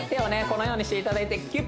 このようにしていただいてきゅ